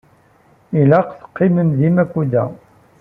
Ilaq teqqimem di Makuda.